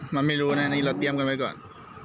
มันไม่รู้นะอันนี้เราเตรียมกันไว้ก่อน